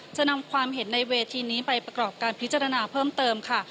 จะนำความเห็นในเวทีนี้ไปประกอบการพิจารณาเพิ่มเติมค่ะ